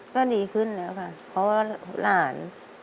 ก็ดีขึ้นแล้วค่ะเพราะว่าหลาน